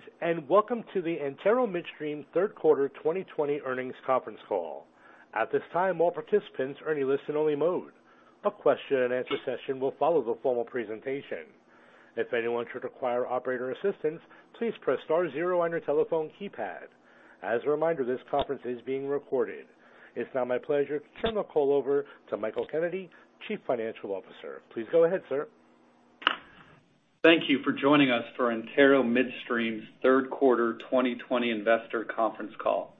Greetings, and welcome to the Antero midstream third quarter 2020 earnings conference call. At this time, all participants are in listen-only mode. A question-and-answer session will follow the formal presentation. If anyone should require operator assistance, please press star zero on your telephone keypad. As a reminder, this conference is being recorded. It's now my pleasure to turn the call over to Michael Kennedy, Chief Financial Officer. Please go ahead, sir. Thank you for joining us for Antero Midstream's third quarter 2020 investor conference call.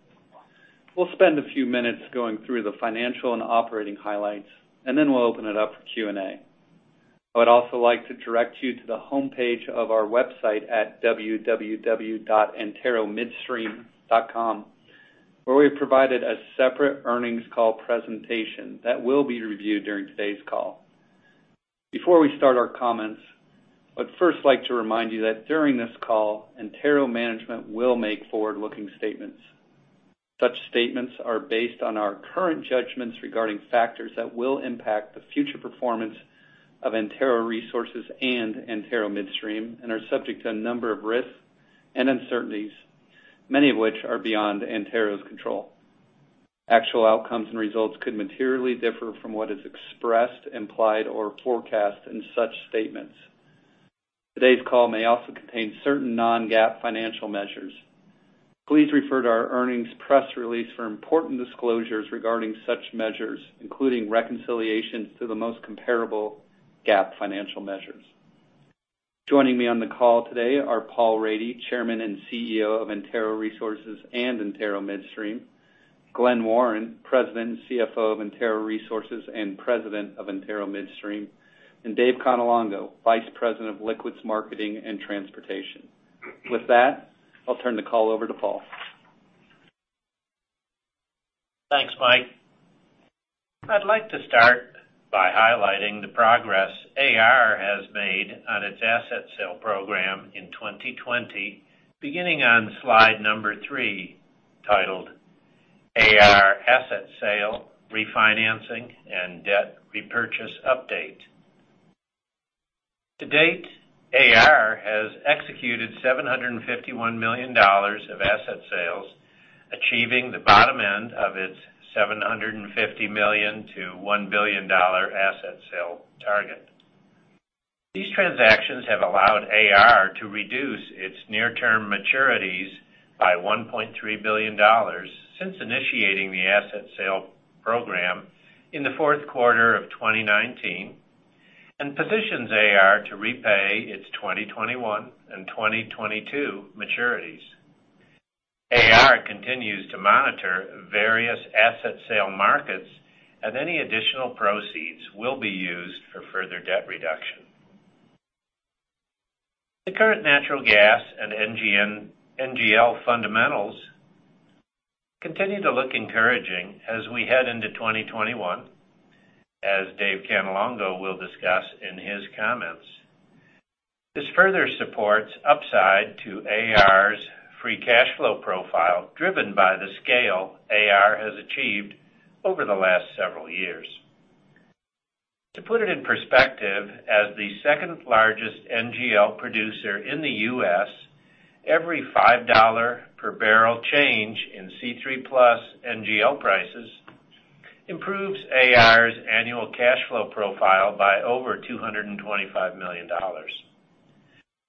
We'll spend a few minutes going through the financial and operating highlights, and then we'll open it up for Q&A. I would also like to direct you to the homepage of our website at www.anteromidstream.com, where we have provided a separate earnings call presentation that will be reviewed during today's call. Before we start our comments, I'd first like to remind you that during this call, Antero management will make forward-looking statements. Such statements are based on our current judgments regarding factors that will impact the future performance of Antero Resources and Antero Midstream and are subject to a number of risks and uncertainties, many of which are beyond Antero's control. Actual outcomes and results could materially differ from what is expressed, implied, or forecast in such statements. Today's call may also contain certain non-GAAP financial measures. Please refer to our earnings press release for important disclosures regarding such measures, including reconciliations to the most comparable GAAP financial measures. Joining me on the call today are Paul Rady, Chairman and CEO of Antero Resources and Antero Midstream; Glen Warren, President and CFO of Antero Resources and President of Antero Midstream; and Dave Cannelongo, Vice President of Liquids Marketing and Transportation. With that, I'll turn the call over to Paul. Thanks, Mike. I'd like to start by highlighting the progress AR has made on its asset sale program in 2020, beginning on slide number three, titled AR Asset Sale, Refinancing and Debt Repurchase Update. To date, AR has executed $751 million of asset sales, achieving the bottom end of its $750 million-$1 billion asset sale target. These transactions have allowed AR to reduce its near-term maturities by $1.3 billion since initiating the asset sale program in the fourth quarter of 2019 and positions AR to repay its 2021 and 2022 maturities. AR continues to monitor various asset sale markets, and any additional proceeds will be used for further debt reduction. The current natural gas and NGL fundamentals continue to look encouraging as we head into 2021, as Dave Cannelongo will discuss in his comments. This further supports upside to AR's free cash flow profile, driven by the scale AR has achieved over the last several years. To put it in perspective, as the second-largest NGL producer in the U.S., every $5 per barrel change in C3+ NGL prices improves AR's annual cash flow profile by over $225 million.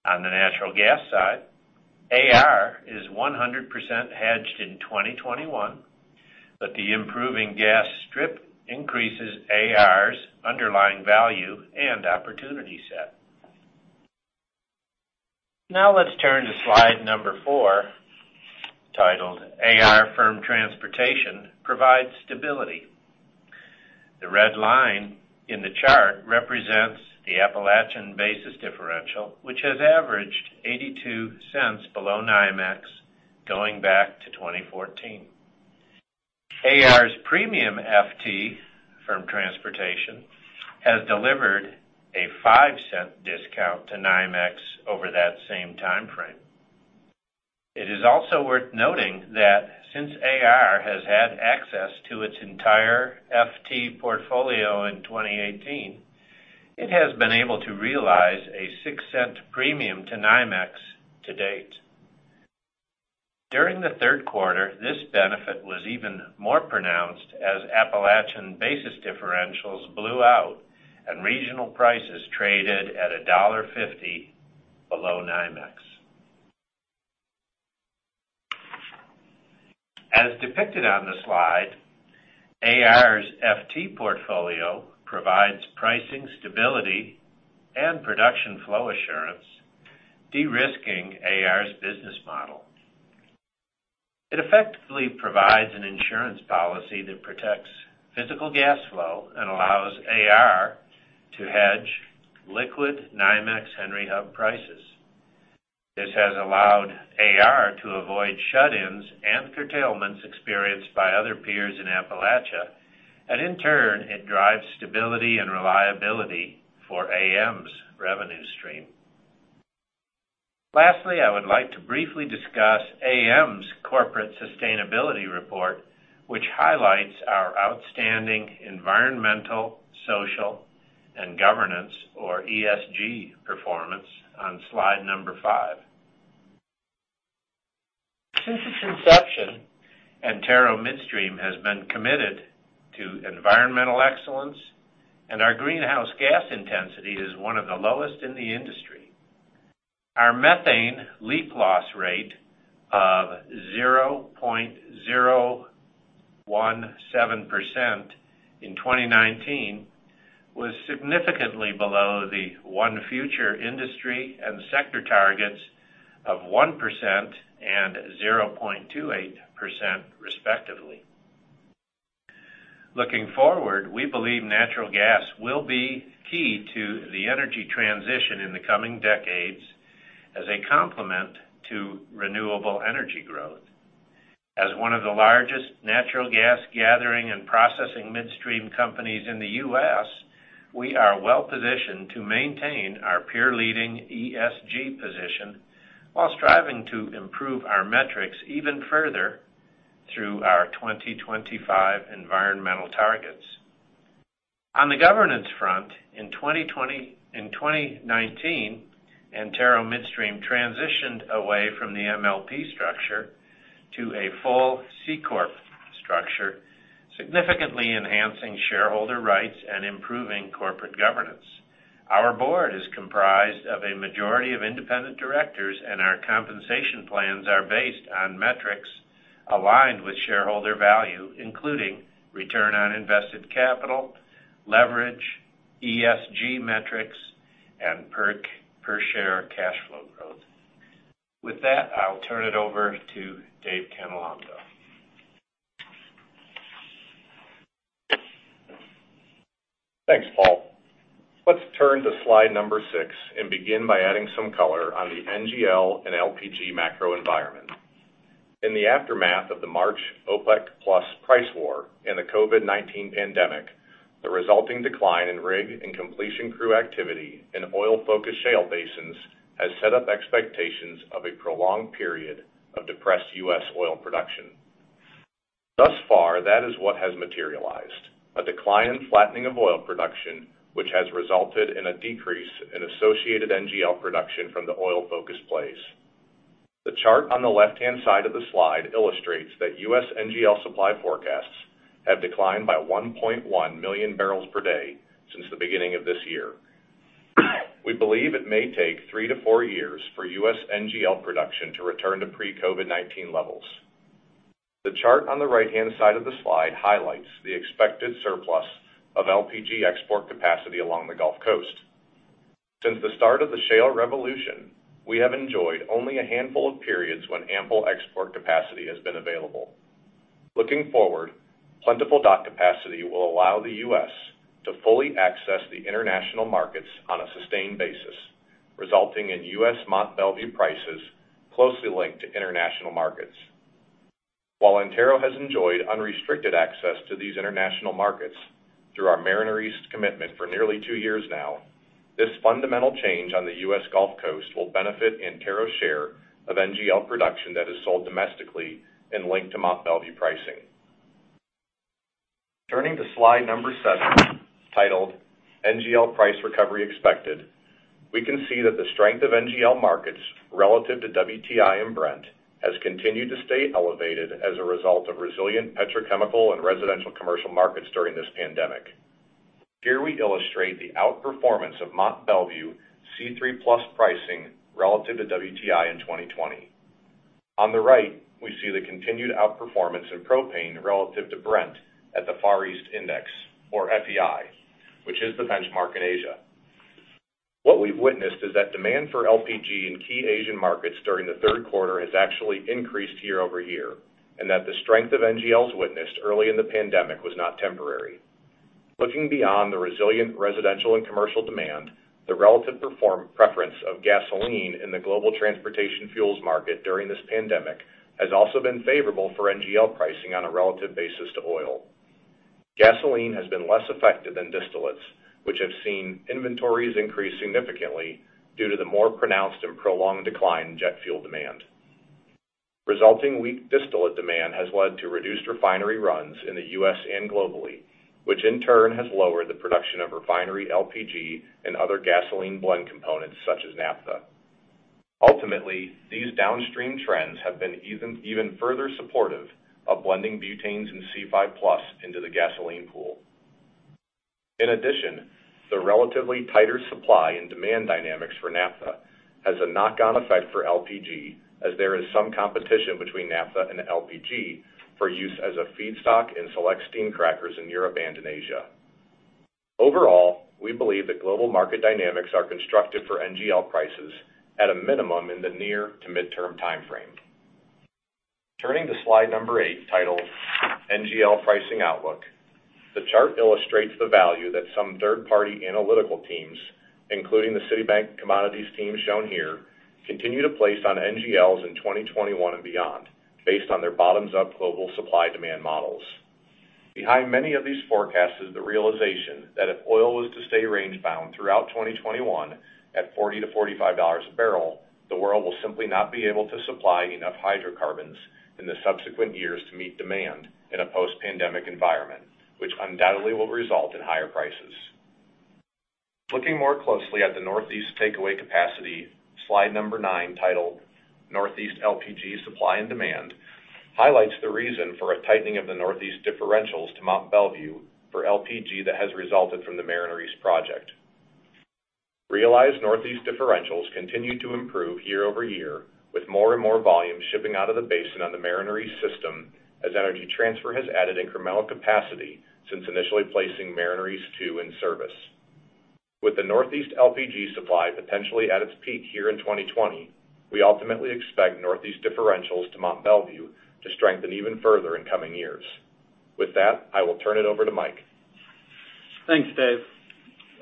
On the natural gas side, AR is 100% hedged in 2021, but the improving gas strip increases AR's underlying value and opportunity set. Now let's turn to slide number four, titled AR Firm Transportation Provides Stability. The red line in the chart represents the Appalachian basis differential, which has averaged $0.82 below NYMEX going back to 2014. AR's premium FT, firm transportation, has delivered a $0.05 discount to NYMEX over that same timeframe. It is also worth noting that since AR has had access to its entire FT portfolio in 2018, it has been able to realize a $0.06 premium to NYMEX to date. During the third quarter, this benefit was even more pronounced as Appalachian basis differentials blew out and regional prices traded at $1.50 below NYMEX. As depicted on the slide, AR's FT portfolio provides pricing stability and production flow assurance, de-risking AR's business model. It effectively provides an insurance policy that protects physical gas flow and allows AR to hedge liquid NYMEX Henry Hub prices. This has allowed AR to avoid shut-ins and curtailments experienced by other peers in Appalachia, and in turn, it drives stability and reliability for AM's revenue stream. Lastly, I would like to briefly discuss AM's corporate sustainability report, which highlights our outstanding environmental, social and governance or ESG performance on slide number five. Since its inception, Antero Midstream has been committed to environmental excellence, and our greenhouse gas intensity is one of the lowest in the industry. Our methane leak loss rate of 0.017% in 2019 was significantly below the ONE Future industry and sector targets of 1% and 0.28%, respectively. Looking forward, we believe natural gas will be key to the energy transition in the coming decades as a complement to renewable energy growth. As one of the largest natural gas gathering and processing midstream companies in the U.S., we are well-positioned to maintain our peer-leading ESG position while striving to improve our metrics even further through our 2025 environmental targets. On the governance front, in 2019, Antero Midstream transitioned away from the MLP structure to a full C-corp structure, significantly enhancing shareholder rights and improving corporate governance. Our board is comprised of a majority of independent directors, and our compensation plans are based on metrics aligned with shareholder value, including return on invested capital, leverage, ESG metrics, and per share cash flow growth. With that, I'll turn it over to Dave Cannelongo. Thanks, Paul. Let's turn to slide number six and begin by adding some color on the NGL and LPG macro environment. In the aftermath of the March OPEC Plus price war and the COVID-19 pandemic, the resulting decline in rig and completion crew activity in oil-focused shale basins has set up expectations of a prolonged period of depressed U.S. oil production. Thus far, that is what has materialized: a decline flattening of oil production, which has resulted in a decrease in associated NGL production from the oil-focused plays. The chart on the left-hand side of the slide illustrates that U.S. NGL supply forecasts have declined by 1.1 million barrels per day since the beginning of this year. We believe it may take three to four years for U.S. NGL production to return to pre-COVID-19 levels. The chart on the right-hand side of the slide highlights the expected surplus of LPG export capacity along the Gulf Coast. Since the start of the shale revolution, we have enjoyed only a handful of periods when ample export capacity has been available. Looking forward, plentiful dock capacity will allow the U.S. to fully access the international markets on a sustained basis, resulting in U.S. Mont Belvieu prices closely linked to international markets. While Antero has enjoyed unrestricted access to these international markets through our Mariner East commitment for nearly two years now, this fundamental change on the U.S. Gulf Coast will benefit Antero's share of NGL production that is sold domestically and linked to Mont Belvieu pricing. Turning to slide number seven, titled NGL Price Recovery Expected, we can see that the strength of NGL markets relative to WTI and Brent has continued to stay elevated as a result of resilient petrochemical and residential commercial markets during this pandemic. Here we illustrate the outperformance of Mont Belvieu C3+ pricing relative to WTI in 2020. On the right, we see the continued outperformance in propane relative to Brent at the Far East Index or FEI, which is the benchmark in Asia. What we've witnessed is that demand for LPG in key Asian markets during the third quarter has actually increased year-over-year, and that the strength of NGLs witnessed early in the pandemic was not temporary. Looking beyond the resilient residential and commercial demand, the relative preference of gasoline in the global transportation fuels market during this pandemic has also been favorable for NGL pricing on a relative basis to oil. Gasoline has been less affected than distillates, which have seen inventories increase significantly due to the more pronounced and prolonged decline in jet fuel demand. Resulting weak distillate demand has led to reduced refinery runs in the U.S. and globally, which in turn has lowered the production of refinery LPG and other gasoline blend components such as naphtha. Ultimately, these downstream trends have been even further supportive of blending butanes and C5+ into the gasoline pool. In addition, the relatively tighter supply and demand dynamics for naphtha has a knock-on effect for LPG, as there is some competition between naphtha and LPG for use as a feedstock in select steam crackers in Europe and in Asia. Overall, we believe that global market dynamics are constructive for NGL prices at a minimum in the near to midterm timeframe. Turning to slide number eight, titled NGL Pricing Outlook, the chart illustrates the value that some third-party analytical teams, including the Citi commodities team shown here, continue to place on NGLs in 2021 and beyond, based on their bottoms-up global supply-demand models. Behind many of these forecasts is the realization that if oil was to stay range-bound throughout 2021 at $40 a barrel-$45 a barrel, the world will simply not be able to supply enough hydrocarbons in the subsequent years to meet demand in a post-pandemic environment, which undoubtedly will result in higher prices. Looking more closely at the Northeast takeaway capacity, slide number nine, titled Northeast LPG Supply and Demand, highlights the reason for a tightening of the Northeast differentials to Mont Belvieu for LPG that has resulted from the Mariner East project. Realized Northeast differentials continue to improve year-over-year, with more and more volume shipping out of the basin on the Mariner East system, as Energy Transfer has added incremental capacity since initially placing Mariner East two in service. With the Northeast LPG supply potentially at its peak here in 2020, we ultimately expect Northeast differentials to Mont Belvieu to strengthen even further in coming years. With that, I will turn it over to Mike. Thanks, Dave.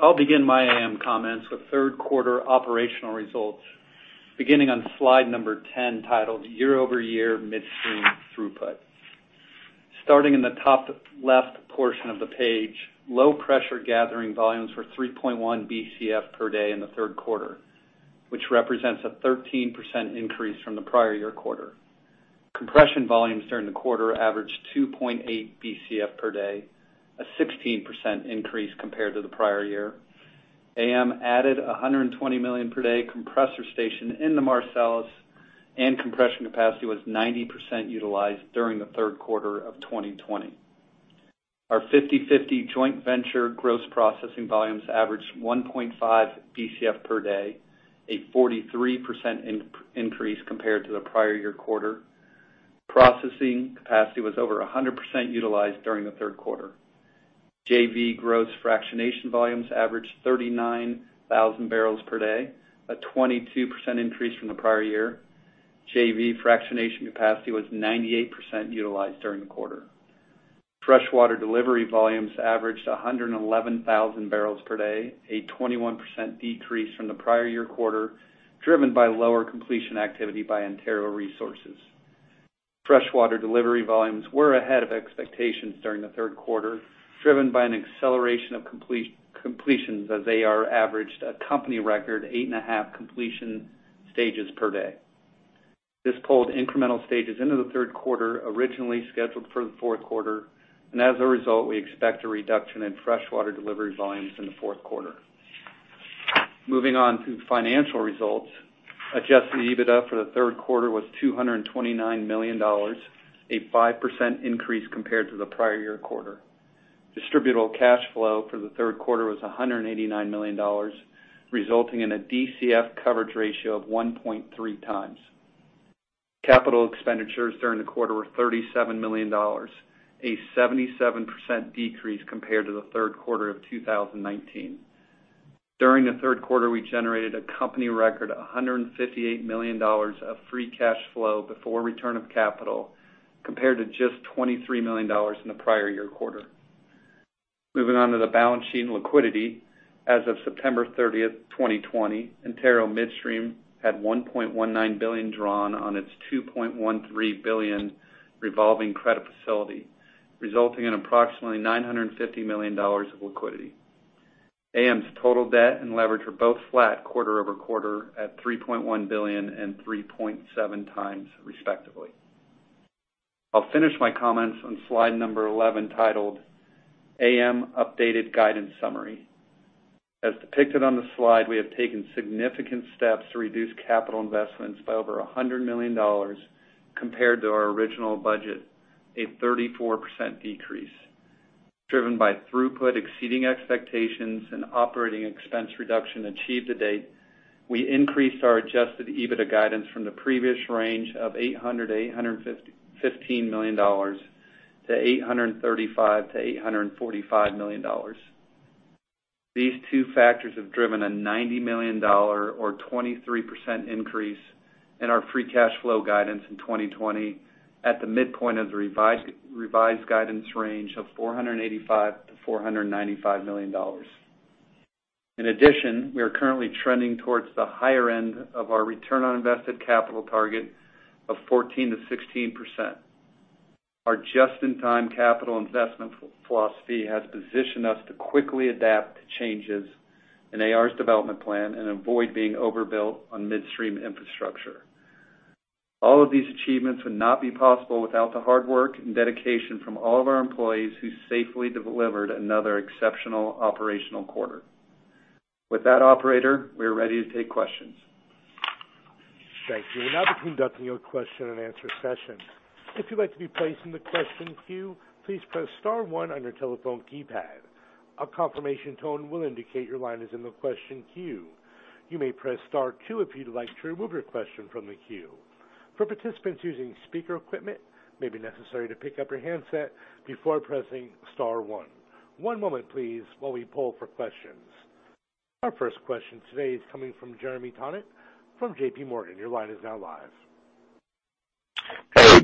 I'll begin my AM comments with third quarter operational results, beginning on slide number 10, titled Year-Over-Year Midstream Throughput. Starting in the top left portion of the page, low pressure gathering volumes were 3.1 BCF per day in the third quarter, which represents a 13% increase from the prior year quarter. Compression volumes during the quarter averaged 2.8 BCF per day, a 16% increase compared to the prior year. AM added 120 million per day compressor station in the Marcellus, and compression capacity was 90% utilized during the third quarter of 2020. Our 50/50 joint venture gross processing volumes averaged 1.5 BCF per day, a 43% increase compared to the prior year quarter. Processing capacity was over 100% utilized during the third quarter. JV gross fractionation volumes averaged 39,000 barrels per day, a 22% increase from the prior year. JV fractionation capacity was 98% utilized during the quarter. Freshwater delivery volumes averaged 111,000 barrels per day, a 21% decrease from the prior year quarter, driven by lower completion activity by Antero Resources. Freshwater delivery volumes were ahead of expectations during the third quarter, driven by an acceleration of completions as AR averaged a company record 8.5 completion stages per day. This pulled incremental stages into the third quarter, originally scheduled for the fourth quarter, and as a result, we expect a reduction in freshwater delivery volumes in the fourth quarter. Moving on to financial results. Adjusted EBITDA for the third quarter was $229 million, a 5% increase compared to the prior year quarter. Distributable cash flow for the third quarter was $189 million, resulting in a DCF coverage ratio of 1.3 times. Capital expenditures during the quarter were $37 million, a 77% decrease compared to the third quarter of 2019. During the third quarter, we generated a company record $158 million of free cash flow before return of capital, compared to just $23 million in the prior year quarter. Moving on to the balance sheet and liquidity. As of September 30th, 2020, Antero Midstream had $1.19 billion drawn on its $2.13 billion revolving credit facility, resulting in approximately $950 million of liquidity. AM's total debt and leverage were both flat quarter-over-quarter at $3.1 billion and 3.7 times respectively. I'll finish my comments on slide number 11, titled AM Updated Guidance Summary. As depicted on the slide, we have taken significant steps to reduce capital investments by over $100 million compared to our original budget, a 34% decrease. Driven by throughput exceeding expectations and operating expense reduction achieved to date, we increased our adjusted EBITDA guidance from the previous range of $800 million-$815 million to $835 million-$845 million. These two factors have driven a $90 million or 23% increase in our free cash flow guidance in 2020 at the midpoint of the revised guidance range of $485 million-$495 million. In addition, we are currently trending towards the higher end of our return on invested capital target of 14%-16%. Our just-in-time capital investment philosophy has positioned us to quickly adapt to changes in AR's development plan and avoid being overbuilt on midstream infrastructure. All of these achievements would not be possible without the hard work and dedication from all of our employees who safely delivered another exceptional operational quarter. With that, operator, we are ready to take questions. Thank you. We'll now be conducting your question-and-answer session. If you'd like to be placed in the question queue, please press star one on your telephone keypad. A confirmation tone will indicate your line is in the question queue. You may press star two if you'd like to remove your question from the queue. For participants using speaker equipment, it may be necessary to pick up your handset before pressing star one. One moment, please, while we poll for questions. Our first question today is coming from Jeremy Tonet from JPMorgan. Your line is now live.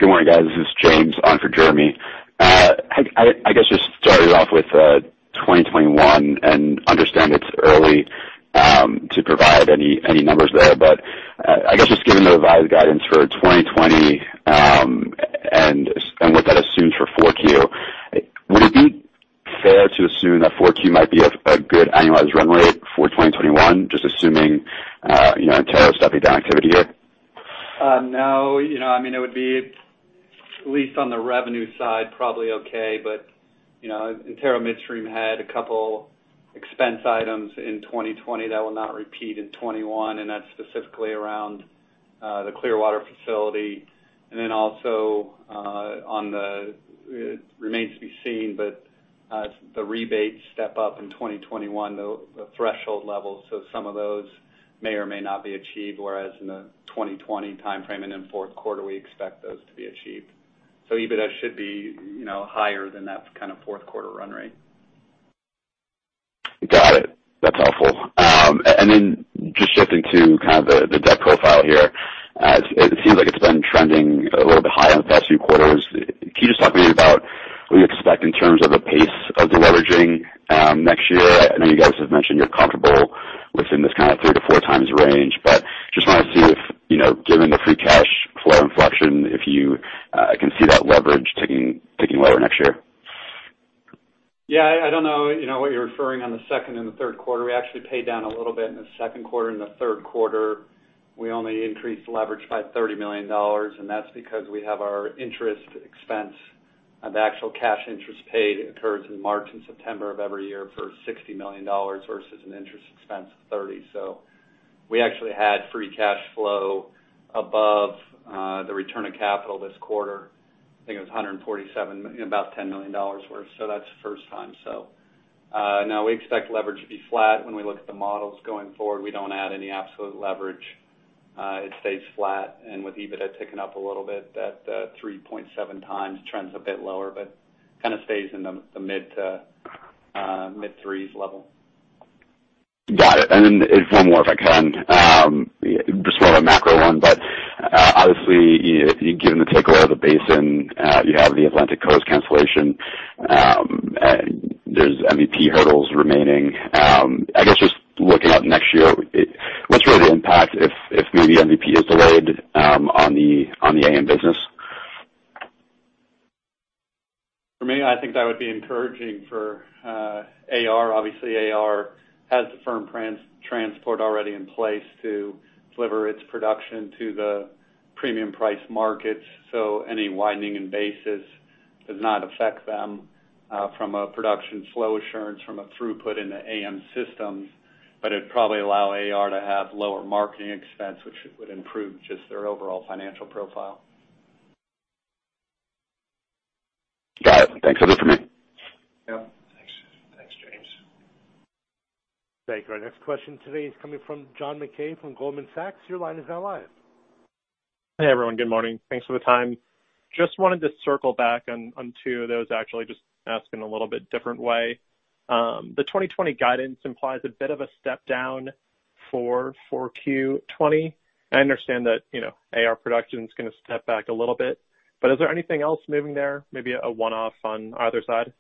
Hey, good morning, guys. This is James on for Jeremy. I guess just starting off with 2021 and understand it's early to provide any numbers there, but I guess just given the revised guidance for 2020, and what that assumes for 4Q, would it be fair to assume that 4Q might be a good annualized run rate for 2021, just assuming Antero's stepping down activity here? No. It would be, at least on the revenue side, probably okay. Antero Midstream had a couple expense items in 2020 that will not repeat in 2021, and that's specifically around the Clearwater facility. It remains to be seen, but the rebates step up in 2021, the threshold levels. Some of those may or may not be achieved, whereas in the 2020 timeframe and in fourth quarter, we expect those to be achieved. EBITDA should be higher than that kind of fourth quarter run rate. Got it. Just shifting to kind of the debt profile here. It seems like it's been trending a little bit high in the past few quarters. Can you just talk to me about what you expect in terms of the pace of de-leveraging next year? I know you guys have mentioned you're comfortable within this kind of 3x-4x range, but just wanted to see if, given the free cash flow inflection, if you can see that leverage ticking lower next year. Yeah, I don't know what you're referring on the second and third quarter. We actually paid down a little bit in the second quarter. In the third quarter, we only increased leverage by $30 million, and that's because we have our interest expense of actual cash interest paid occurs in March and September of every year for $60 million versus an interest expense of $30. We actually had free cash flow above the return of capital this quarter. I think it was 147, about $10 million worth. That's the first time. No, we expect leverage to be flat. When we look at the models going forward, we don't add any absolute leverage. It stays flat. With EBITDA ticking up a little bit, that 3.7 times trends a bit lower, but kind of stays in the mid threes level. Got it. If one more, if I can, just more of a macro one. Obviously, given the takeaway of the basin, you have the Atlantic Coast cancellation, there's MVP hurdles remaining. I guess, just looking out next year, what's really the impact if maybe MVP is delayed on the AM business? For me, I think that would be encouraging for AR. Obviously, AR has the firm transport already in place to deliver its production to the premium price markets, so any widening in basis does not affect them from a production flow assurance, from a throughput in the AM systems. It would probably allow AR to have lower marketing expense, which would improve just their overall financial profile. Got it. Thanks. That's it for me. Yeah. Thanks, James. Thank you. Our next question today is coming from John Mackay from Goldman Sachs. Your line is now live. Hey, everyone. Good morning. Thanks for the time. Just wanted to circle back on two of those, actually, just ask in a little bit different way. The 2020 guidance implies a bit of a step down for 4Q 2020. I understand that AR production's going to step back a little bit, but is there anything else moving there? Maybe a one-off on either side?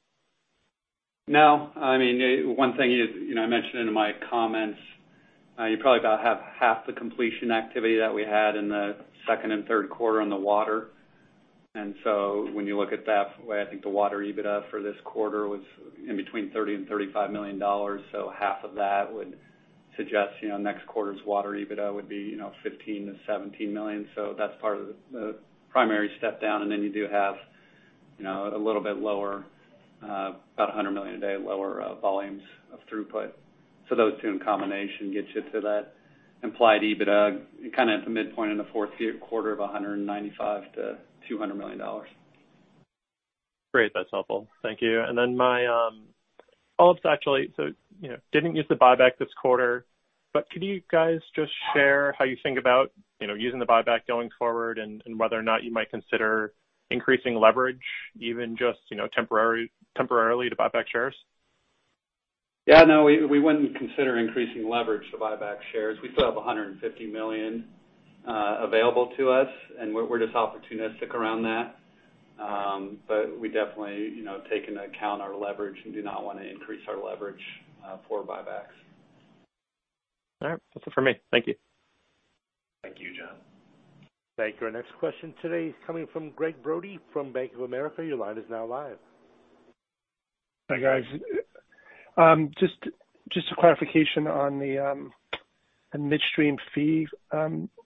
One thing is, I mentioned it in my comments, you probably about have half the completion activity that we had in the second and third quarter on the water. When you look at that way, I think the water EBITDA for this quarter was in between $30 million and $35 million. Half of that would suggest next quarter's water EBITDA would be $15 million-$17 million. That's part of the primary step down. Then you do have a little bit lower, about 100 million a day lower volumes of throughput. Those two in combination gets you to that implied EBITDA, kind of at the midpoint in the fourth quarter of $195 million-$200 million. Great. That's helpful. Thank you. My follow-up's actually, so didn't use the buyback this quarter, but could you guys just share how you think about using the buyback going forward and whether or not you might consider increasing leverage even just temporarily to buy back shares? Yeah, no, we wouldn't consider increasing leverage to buy back shares. We still have $150 million available to us. We're just opportunistic around that. We definitely take into account our leverage and do not want to increase our leverage for buybacks. All right. That's it for me. Thank you. Thank you, John. Thank you. Our next question today is coming from Gregg Brody from Bank of America. Your line is now live. Hi, guys. Just a clarification on the midstream fee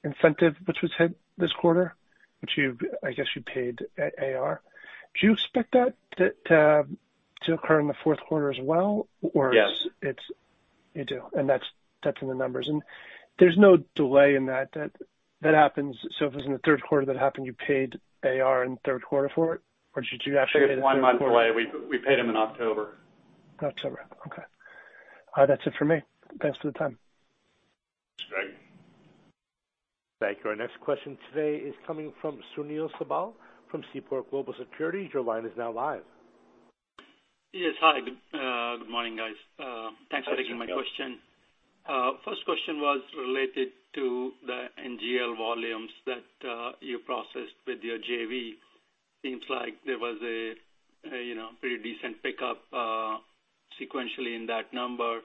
incentive, which was hit this quarter, which I guess you paid AR. Do you expect that to occur in the fourth quarter as well? Yes. You do. That's in the numbers. There's no delay in that. If it was in the third quarter that happened, you paid AR in the third quarter for it? Did you actually pay the fourth? I think it's one month away. We paid them in October. October. Okay. All right. That's it for me. Thanks for the time. Thanks, Greg. Thank you. Our next question today is coming from Sunil Sibal from Seaport Global Securities. Your line is now live. Yes. Hi. Good morning, guys. Hi, Sunil. Thanks for taking my question. First question was related to the NGL volumes that you processed with your JV. Seems like there was a pretty decent pickup sequentially in that number.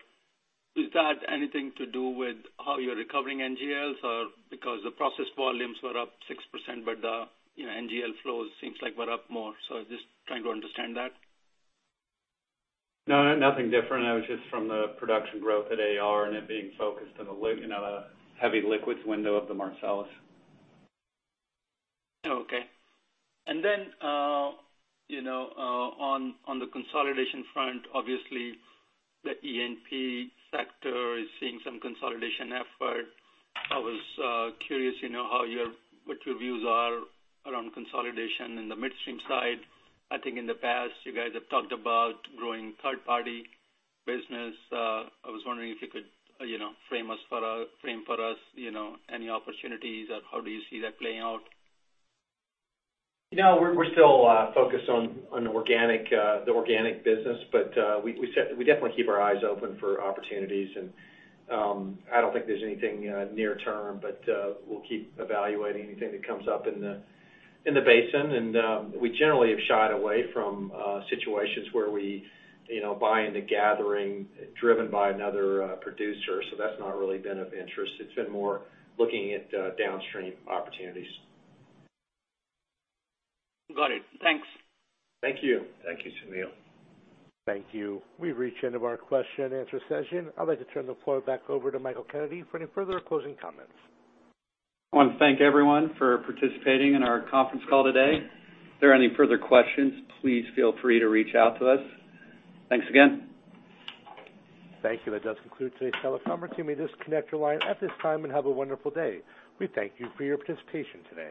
Is that anything to do with how you're recovering NGLs? Because the process volumes were up 6%, but the NGL flows seems like were up more. Just trying to understand that. No, nothing different. That was just from the production growth at AR and it being focused on a heavy liquids window of the Marcellus. Okay. Then on the consolidation front, obviously the E&P sector is seeing some consolidation effort. I was curious what your views are around consolidation in the midstream side. I think in the past, you guys have talked about growing third-party business. I was wondering if you could frame for us any opportunities or how do you see that playing out? No, we're still focused on the organic business. We definitely keep our eyes open for opportunities. I don't think there's anything near term. We'll keep evaluating anything that comes up in the basin. We generally have shied away from situations where we buy into gathering driven by another producer. That's not really been of interest. It's been more looking at downstream opportunities. Got it. Thanks. Thank you. Thank you, Sunil. Thank you. We've reached the end of our question-and-answer session. I'd like to turn the floor back over to Michael Kennedy for any further closing comments. I want to thank everyone for participating in our conference call today. If there are any further questions, please feel free to reach out to us. Thanks again. Thank you. That does conclude today's teleconference. You may disconnect your line at this time and have a wonderful day. We thank you for your participation today.